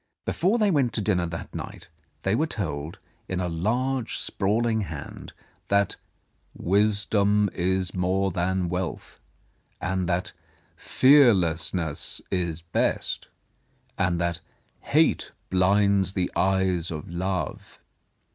Before they went to dinner that night, they were told, in a large, sprawling hand, that "Wisdom is more than wealth," and that "Fearless ness is best," and that "Hate blinds the eyes of Love."